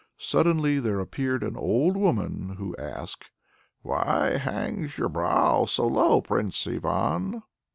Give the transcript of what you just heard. Suddenly there appeared an old woman, who asked: "Why hangs your brow so low, Prince Ivan?"